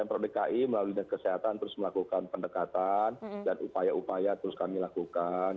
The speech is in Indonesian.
jadi dari pemprov dki melalui bidang kesehatan terus melakukan pendekatan dan upaya upaya terus kami lakukan